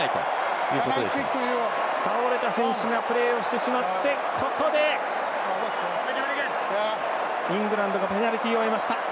倒れた選手がプレーをしてしまって、ここでイングランドペナルティを得ました。